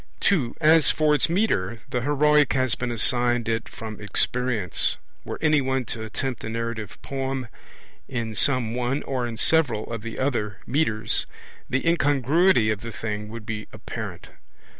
(2) As for its metre, the heroic has been assigned it from experience; were any one to attempt a narrative poem in some one, or in several, of the other metres, the incongruity of the thing would be apparent.